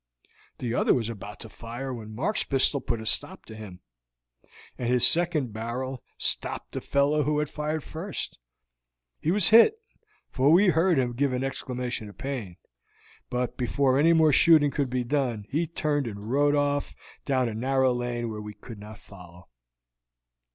The other was about to fire when Mark's pistol put a stop to him, and his second barrel stopped the fellow who had fired first; he was hit, for we heard him give an exclamation of pain, but before any more shooting could be done he turned and rode off down a narrow lane where we could not follow."